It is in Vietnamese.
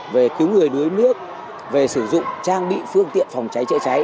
về cứu người đuối nước về sử dụng trang bị phương tiện phòng cháy chữa cháy